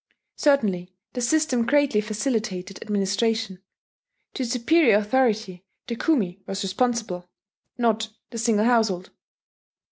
Certainly the system greatly facilitated administration. To superior authority the Kumi was responsible, not the single household.